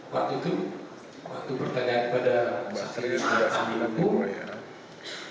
waktu itu waktu pertanyaan kepada mbak sri sudah kami hubung